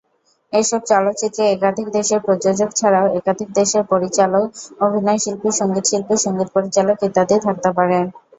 এসব চলচ্চিত্রে একাধিক দেশের প্রযোজক ছাড়াও একাধিক দেশের পরিচালক, অভিনয়শিল্পী, সঙ্গীতশিল্পী, সঙ্গীত পরিচালক ইত্যাদি থাকতে পারেন।